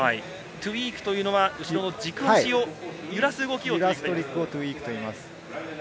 トゥイークというのは後ろの軸足を揺らす動きですね。